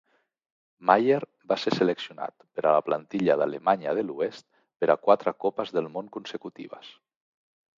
Maier va ser seleccionat per a la plantilla d'Alemanya de l'Oest per a quatre Copes del Món consecutives.